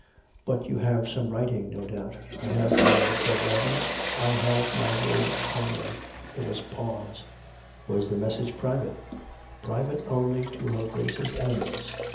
"But you have some writing, no doubt "" I have none," said Robin. " I have my word only." There was a pause. " Was the message private ?"" Private only to her Grace's enemies.